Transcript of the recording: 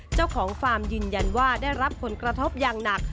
เจ้าของฟาร์มยืนยันว่าได้รับผลกระทบอย่างหนัก